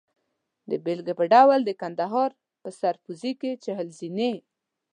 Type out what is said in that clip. د بېلګې په ډول د کندهار په سرپوزي کې چهل زینې.